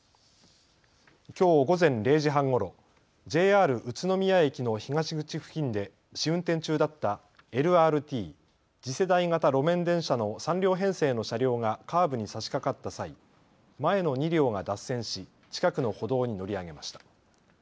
きょう午前０時半ごろ、ＪＲ宇都宮駅の東口付近で試運転中だったＬＲＴ・次世代型路面電車の３両編成の車両がカーブにさしかかった際、前の２両が脱線し近くの歩道に乗り上げました。